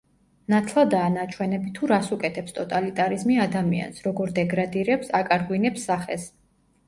ნათლადაა ნაჩვენები თუ რას უკეთებს ტოტალიტარიზმი ადამიანს, როგორ დეგრადირებს, აკარგვინებს სახეს.